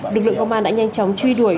lực lượng công an đã nhanh chóng truy đuổi